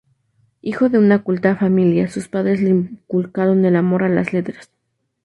Hijo de una culta familia, sus padres le inculcaron el amor a las letras.